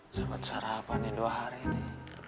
coba sarapan nih dua hari nih